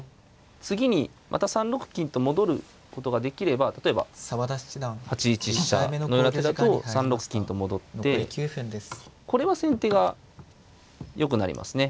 次にまた３六金と戻ることができれば例えば８一飛車のような手だと３六金と戻ってこれは先手がよくなりますね。